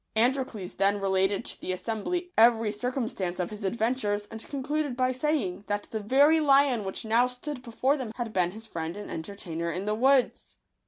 Androcles then related to the assembly every circumstance of his adven tures, and concluded by saying, that the very lion which now stood before them had been his friend and entertainer in the woods.